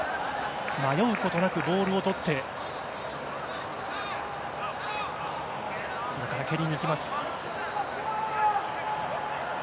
迷うことなくボールをとってこれから蹴りにいきます。